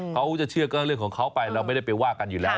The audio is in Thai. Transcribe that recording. เขาจะเชื่อก็เรื่องของเขาไปเราไม่ได้ไปว่ากันอยู่แล้ว